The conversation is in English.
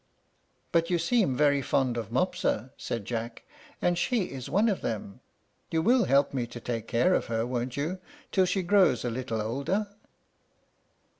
"But you seem very fond of Mopsa," said Jack, "and she is one of them. You will help me to take care of her, won't you, tills she grows a little older?"